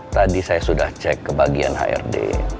tadi saya sudah cek ke bagian hrd